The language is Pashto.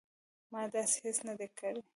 ما داسې هیڅ نه دي کړي